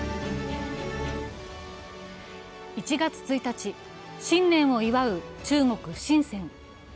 １月１日、新年を祝う中国・深セン。